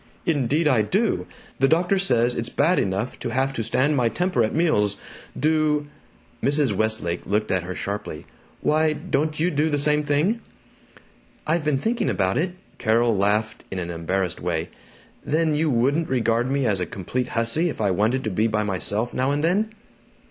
"Indeed I do! The doctor says it's bad enough to have to stand my temper at meals. Do " Mrs. Westlake looked at her sharply. "Why, don't you do the same thing?" "I've been thinking about it." Carol laughed in an embarrassed way. "Then you wouldn't regard me as a complete hussy if I wanted to be by myself now and then?"